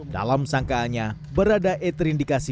dalam sangkaannya para dae terindikasi